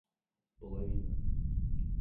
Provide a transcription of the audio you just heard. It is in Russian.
половина